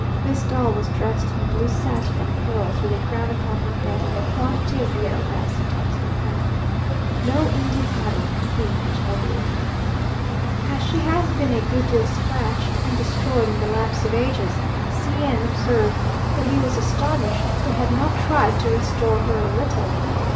This doll was dressed in blue satin and pearls with a crown upon her head and a quantity of hair fastened on to the crown. No Indian idol could be much uglier. As she has been a good deal scratched and destroyed in the lapse of ages, C n observed that he was astonished they had not tried to restore her a little.